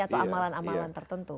atau amalan amalan tertentu